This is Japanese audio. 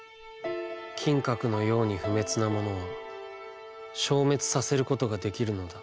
「金閣のように不滅なものは消滅させることができるのだ」。